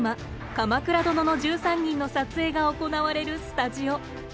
「鎌倉殿の１３人」の撮影が行われるスタジオ。